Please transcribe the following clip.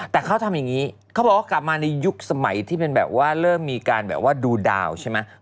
แต่เขาทำอย่างนี้เขาบอกว่ากลับมาในยุคสมัยที่เป็นแบบว่าเริ่มมีการแบบว่าดูดาวใช่ไหม